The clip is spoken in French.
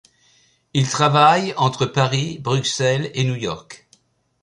Il travaille entre Paris, Bruxelles et New York.